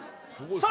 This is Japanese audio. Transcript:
さあ